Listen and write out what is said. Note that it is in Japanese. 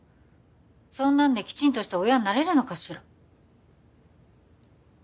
そんなんできちんとした親になれるのかしら？